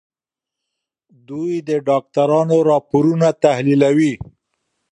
دوی د ډاکټرانو راپورونه تحليلوي.